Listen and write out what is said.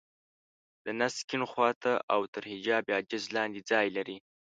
د نس کيڼ خوا ته او تر حجاب حاجز لاندې ځای لري.